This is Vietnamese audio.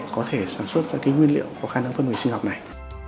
có thể sản xuất ra cái nguyên liệu có khả năng phân hủy sinh học này